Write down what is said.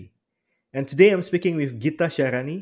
hari ini saya berbicara dengan gita syarani